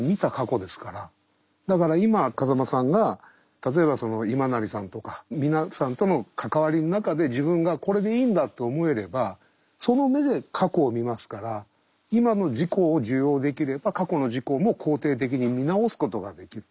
だから今風間さんが例えば今成さんとか皆さんとの関わりの中で自分がこれでいいんだと思えればその目で過去を見ますから今の自己を受容できれば過去の自己も肯定的に見直すことができる。